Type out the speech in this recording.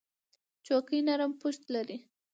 چوکۍ نرم پُشت لري.